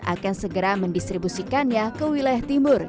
akan segera mendistribusikannya ke wilayah timur